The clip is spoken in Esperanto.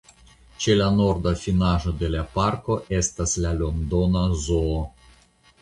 Ĉe la norda finaĵo de la parko estas la Londona Zoo.